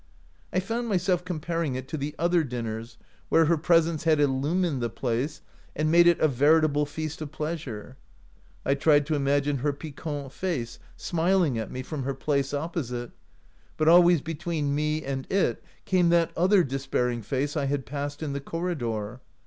I found myself comparing it to the other dinners where her presence had illumined the place and made it a veritable feast of pleasure. I tried to imagine her piquant face smiling at me from her place opposite, but always between me and it came that other despair ing face I had passed in the corridor.